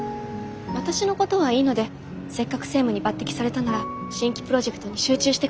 私のことはいいのでせっかく専務に抜てきされたなら新規プロジェクトに集中して下さい。